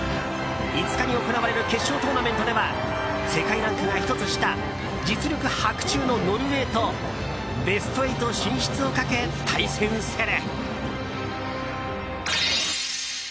５日に行われる決勝トーナメントでは世界ランクが１つ下実力伯仲のノルウェーとベスト８進出をかけ対戦する。